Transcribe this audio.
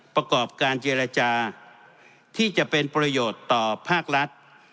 ประกอบการเจรจาที่จะเป็นประโยชน์ต่อภาครัฐ